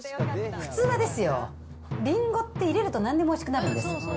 普通はですよ、りんごって入れるとなんでもおいしくなるんです。